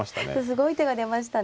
すごい手が出ましたね。